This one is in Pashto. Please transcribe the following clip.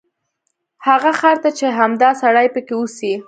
هغه ښار ته چې همدا سړی پکې اوسي.